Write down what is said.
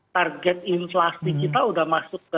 target inflasi kita udah masuk